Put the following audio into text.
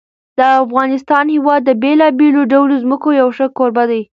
د افغانستان هېواد د بېلابېلو ډولو ځمکو یو ښه کوربه دی.